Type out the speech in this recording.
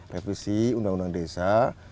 revisi undang undang desa